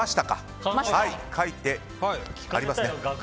書いてありますね。